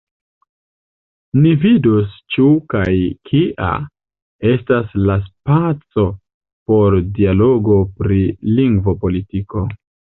Ni vidos ĉu kaj kia estas la spaco por dialogo pri lingvopolitiko.